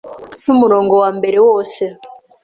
n’umurongo wa mbere wose